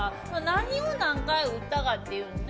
何を何回打ったかっていうね。